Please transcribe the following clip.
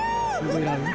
ブラウン。